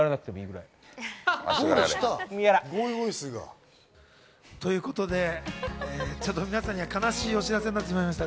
が。ということで、皆さんには悲しいお知らせになってしまいました。